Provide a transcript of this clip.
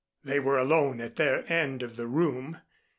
They were alone at their end of the room.